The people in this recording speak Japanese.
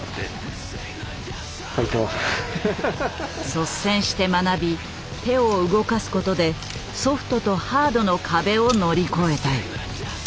率先して学び手を動かすことでソフトとハードの壁を乗り越えたい。